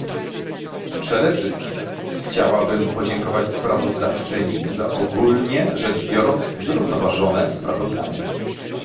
Przede wszystkim chciałabym podziękować sprawozdawczyni za ogólnie rzecz biorąc zrównoważone sprawozdanie